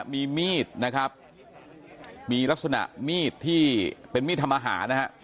มีมีดนะครับมีลักษณะมีดที่เป็นมีดทำอาหารนะฮะ